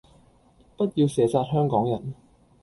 不要射殺香港人